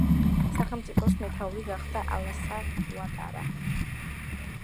სახელმწიფოს მეთაური გახდა ალასან უატარა.